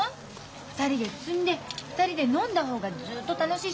２人で摘んで２人で飲んだ方がずっと楽しいしおいしいじゃない。